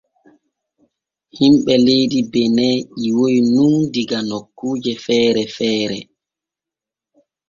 Himɓe leydi Bene ƴiwoy nun diga nokkuuje feere feere.